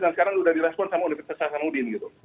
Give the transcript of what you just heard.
dan sekarang sudah direspon sama universitas hasanuddin